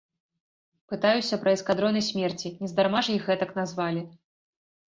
Пытаюся пра эскадроны смерці, нездарма ж іх гэтак назвалі?